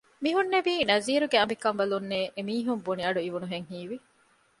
މިހުންނެވީ ނަޒީރުގެ އަނބިކަންބަލުންނޭ އެމީހުން ބުނި އަޑު އިވުނުހެން ހީވި